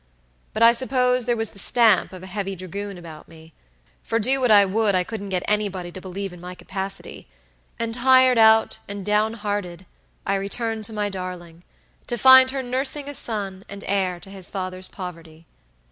But I suppose there was the stamp of a heavy dragoon about me, for do what I would I couldn't get anybody to believe in my capacity; and tired out, and down hearted, I returned to my darling, to find her nursing a son and heir to his father's poverty.